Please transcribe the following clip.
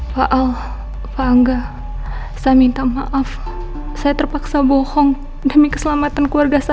pak al bangga saya minta maaf saya terpaksa bohong demi keselamatan keluarga saya